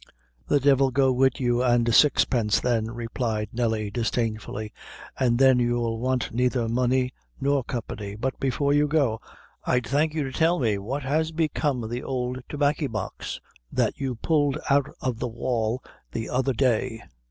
"The divil go wid you an' sixpence then," replied Nelly, disdainfully "an' then you'll want neither money nor company; but before you go, I'd thank you to tell me what has become o' the ould Tobaccy Box, that you pulled out o' the wall the other day.